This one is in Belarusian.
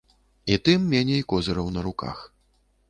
І тым меней козыраў на руках.